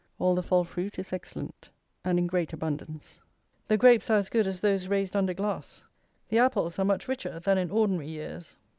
All the fall fruit is excellent, and in great abundance. The grapes are as good as those raised under glass. The apples are much richer than in ordinary years.